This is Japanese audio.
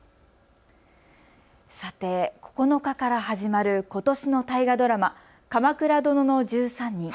さて９日から始まることしの大河ドラマ、鎌倉殿の１３人。